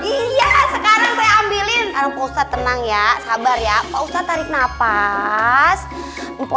iya sekarang saya ambilin sekarang pak ustadz tenang ya sabar ya pak ustadz tarik nafas info